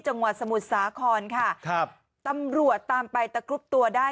จังหวัดสมุทรสาครค่ะครับตำรวจตามไปตะครุบตัวได้